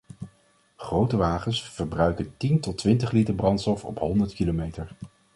Grote wagens verbruiken tien tot twintig liter brandstof op honderd kilometer.